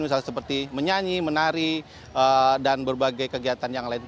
misalnya seperti menyanyi menari dan berbagai kegiatan yang lain